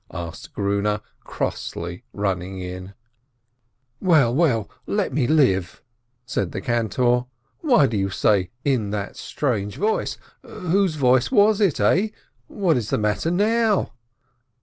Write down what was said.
asked Grune, crossly, running in. "Well, well, let me live !" said the cantor. "Why do you say 'in that strange voice'? Whose voice was it? eh ? What is the matter now